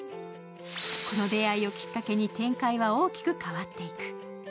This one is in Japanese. この出会いをきっかけに展開は大きく変わっていく。